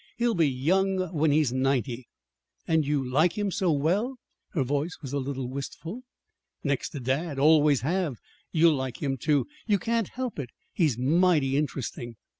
He'll be young when he's ninety." "And you like him so well?" Her voice was a little wistful. "Next to dad always have. You'll like him, too. You can't help it. He's mighty interesting."